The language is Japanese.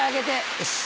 よし！